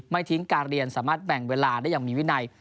ไม่ทิ้งการเรียนสามารถแบ่งเวลาได้อย่างมีวินัย